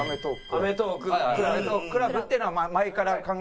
アメトーークＣＬＵＢっていうのは前から考えてた。